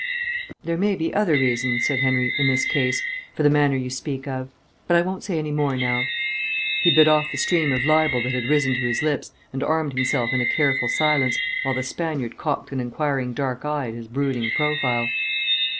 "There may be other reasons," said Henry, "in this case, for the manner you speak of.... But I won't say any more now." He bit off the stream of libel that had risen to his lips and armed himself in a careful silence, while the Spaniard cocked an inquiring dark eye at his brooding profile.